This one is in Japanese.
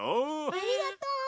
ありがとう！